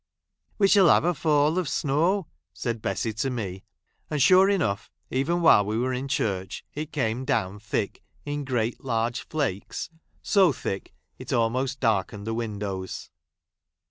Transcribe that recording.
"We shall have a fall of snow," said Bessy to me. And sure enough, even while we were in church, it came down thick, in great lai'ge I flakes, so thick it almost darkened the win¬ dows.